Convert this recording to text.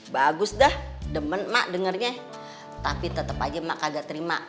bagus dah demen mak dengernya tapi tetep aja mak kagak terima